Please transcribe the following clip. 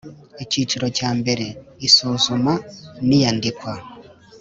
Icyiciro cya mbere Isuzuma n iyandikwa